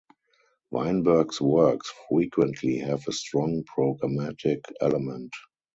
Weinberg's works frequently have a strong programmatic element.